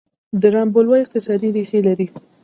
د رام بلوا اقتصادي ریښې لرلې.